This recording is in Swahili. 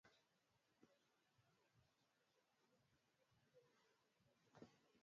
mjini Brussels wakati bendera za Uingereza zilitolewa